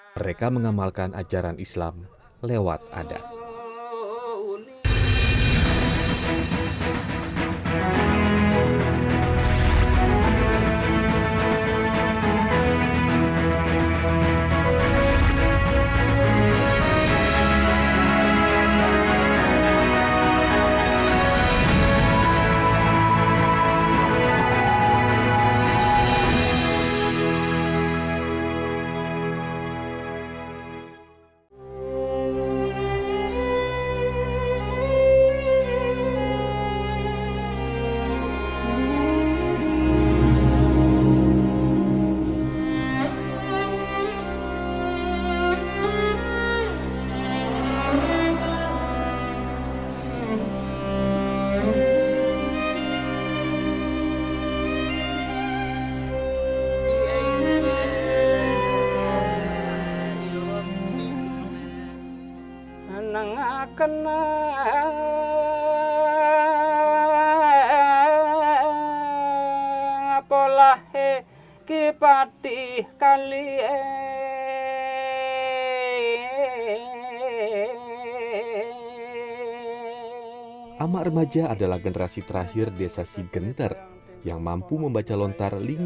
mereka mengamalkan ajaran islam lewat adat